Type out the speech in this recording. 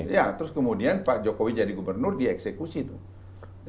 ya terus kemudian pak jokowi jadi gubernur dia eksekusi tuh